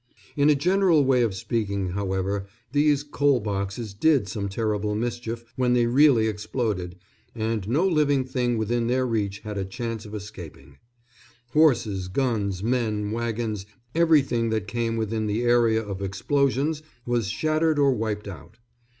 In a general way of speaking, however, these "coal boxes" did some terrible mischief when they really exploded, and no living thing within their reach had a chance of escaping. Horses, guns, men, wagons, everything that came within the area of explosions was shattered or wiped out.